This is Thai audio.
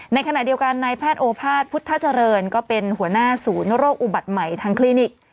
ในขณะเดียวกันนายแพทย์โอภาษพุทธเจริญก็เป็นหัวหน้าศูนย์โรคอุบัติใหม่ทางคลินิก